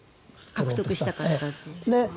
獲得したかったと。